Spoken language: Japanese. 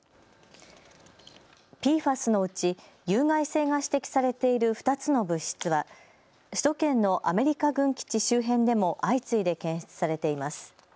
ＰＦＡＳのうち有害性が指摘されている２つの物質は首都圏のアメリカ軍基地周辺でも相次いで検出されています。